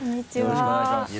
よろしくお願いします。